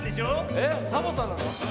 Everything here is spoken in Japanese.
えっサボさんなの？